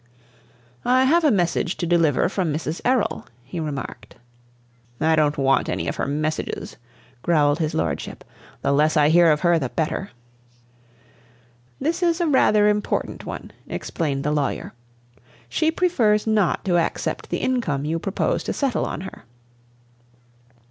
"I have a message to deliver from Mrs. Errol," he remarked. "I don't want any of her messages!" growled his lordship; "the less I hear of her the better." "This is a rather important one," explained the lawyer. "She prefers not to accept the income you proposed to settle on her."